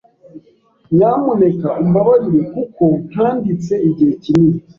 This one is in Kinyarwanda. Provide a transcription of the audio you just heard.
Nyamuneka umbabarire kuko ntanditse igihe kinini.